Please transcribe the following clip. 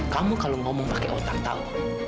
kamu kalau ngomong pakai otak tahu